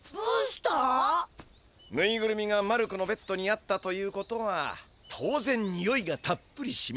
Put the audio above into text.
ヌイグルミがマルクのベッドにあったということは当ぜんにおいがたっぷりしみついている。